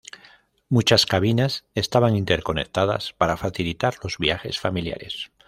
Muchas cabinas estaban interconectadas para facilitar los viajes familiares.